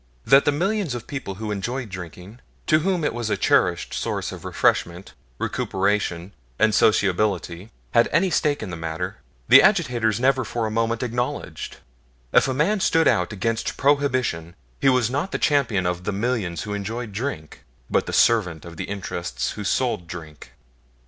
That the millions of people who enjoyed drinking, to whom it was a cherished source of refreshment, recuperation, and sociability, had any stake in the matter, the agitators never for a moment acknowledged; if a man stood out against Prohibition he was not the champion of the millions who enjoyed drink, but the servant of the interests who sold drink.